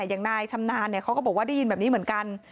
อย่างนายชำนาญเขาก็บอกว่าได้ยินแบบนี้เหมือนกัน